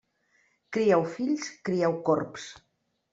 Crieu fills, crieu corbs.